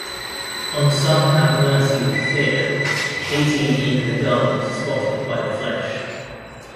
On some have mercy with fear; hating even the garment spotted by the flesh.